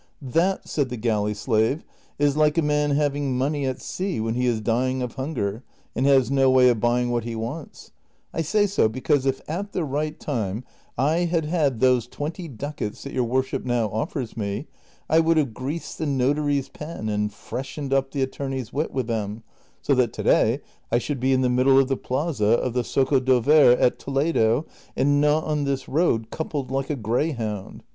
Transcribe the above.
" That," said the galley slave, " is like a man having money at sea when he is dying of hunger and has no way of buying what he wants ; I say so because if at the right time I had had those twenty ducats that your worship now offers me, I would have greased the notary's pen and freshened up the attorney's wit with them, so that to day I should be in the nuddle of the plaza of the Zocodover at Toledo, and not on this road coupled like a greyhound.